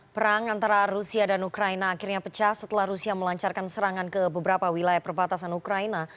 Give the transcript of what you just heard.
perang antara rusia dan ukraina akhirnya pecah setelah rusia melancarkan serangan ke beberapa wilayah perbatasan ukraina